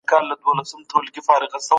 آيا علم د انسان د پرمختګ لامل کېږي؟